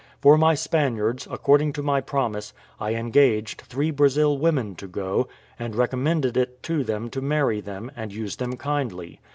For my Spaniards, according to my promise, I engaged three Brazil women to go, and recommended it to them to marry them, and use them kindly.